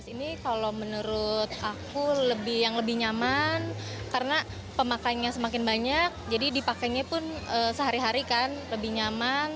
ini kalau menurut aku yang lebih nyaman karena pemakaiannya semakin banyak jadi dipakainya pun sehari hari kan lebih nyaman